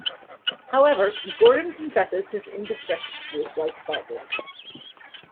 However, Gordon confesses his indiscretion to his wife Barbara.